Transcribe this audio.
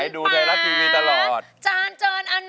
ร้องได้ให้ร้าน